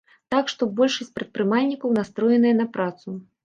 Так што большасць прадпрымальнікаў настроеная на працу.